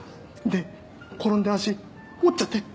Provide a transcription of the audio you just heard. で転んで足折っちゃって。